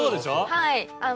はい。